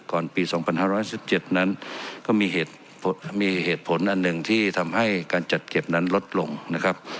ปี๒๕๑๗นั้นก็มีเหตุผลอันหนึ่งที่ทำให้การจัดเก็บนั้นลดลงนะครับ